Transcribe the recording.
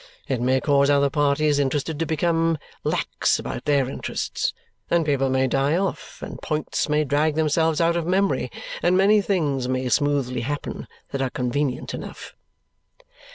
It may cause other parties interested to become lax about their interests; and people may die off, and points may drag themselves out of memory, and many things may smoothly happen that are convenient enough."